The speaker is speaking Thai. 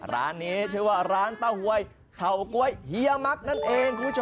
ร้านนี้ชื่อว่าร้านเต้าหวยเข่าก๊วยเฮียมักนั่นเองคุณผู้ชม